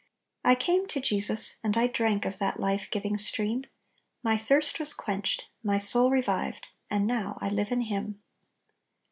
"I came to Jesus, and I drank Of that life giving stream; My thirst was quenched, my soul revived. And now I live in him."